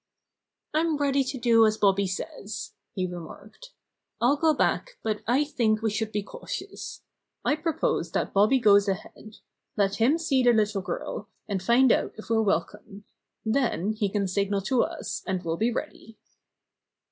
"I'm ready to do as Bobby says," he re marked. "I'll go back, but I think we should be cautious. I propose that Bobby goes ahead. Let him see the little girl, and find out if we're welcome. Then he can signal to us, and we'll be ready."